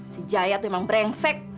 si jaya tuh memang brengsek